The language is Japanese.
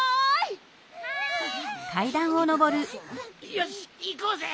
よしいこうぜ。